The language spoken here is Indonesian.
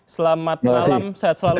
selamat malam sehat selalu